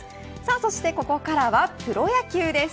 そしてここからはプロ野球です。